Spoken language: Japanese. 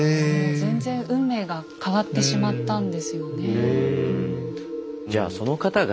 全然運命が変わってしまったんですよね。